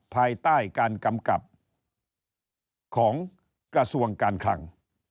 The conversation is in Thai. ภายใต้การกำกับของกระทรวงการคลัง